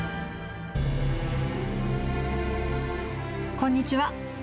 こんにちは。